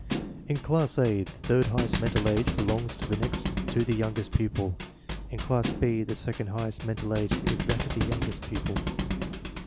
In class A the third highest mental age belongs to the next to the youngest pupil. In class B the second highest mental age is that of the youngest pupil.